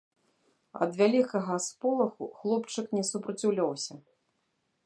Ад вялікага сполаху хлопчык не супраціўляўся.